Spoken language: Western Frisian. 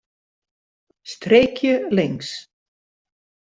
Streekje links.